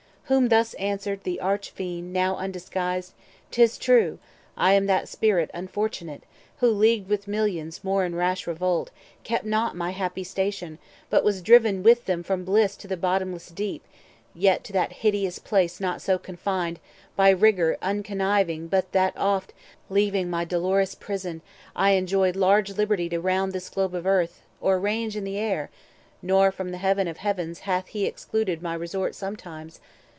Whom thus answered the Arch Fiend, now undisguised:— "'Tis true, I am that Spirit unfortunate Who, leagued with millions more in rash revolt, Kept not my happy station, but was driven 360 With them from bliss to the bottomless Deep— Yet to that hideous place not so confined By rigour unconniving but that oft, Leaving my dolorous prison, I enjoy Large liberty to round this globe of Earth, Or range in the Air; nor from the Heaven of Heavens Hath he excluded my resort sometimes.